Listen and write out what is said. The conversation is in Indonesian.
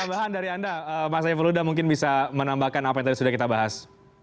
tambahan dari anda pak saifuludha mungkin bisa menambahkan apa yang tadi sudah kita bahas